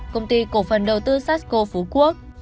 công ty cổ phần đầu tư sarsco phú quốc